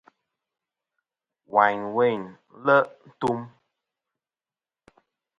Wayn weyn nle' ntum.